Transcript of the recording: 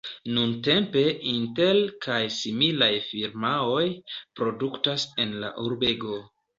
Nuntempe Intel kaj similaj firmaoj produktas en la urbego.